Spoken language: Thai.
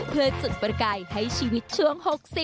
เพื่อจุดประกายให้ชีวิตช่วง๖๐